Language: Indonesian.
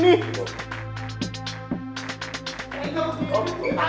tidak ada yang bisa dikira